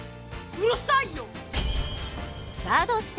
うるさいよ！